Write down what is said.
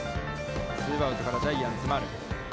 ツーアウトからジャイアンツ、丸。